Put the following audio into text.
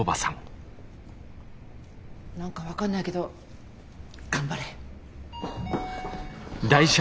何か分かんないけど頑張れ。